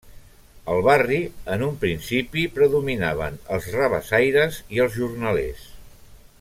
El barri, en un principi, predominaven els rabassaires i els jornalers.